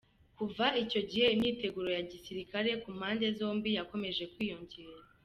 Kuva icyo gihe, imyiteguro ya gisirikare ku mpande zombi yakomeje kwiyongera.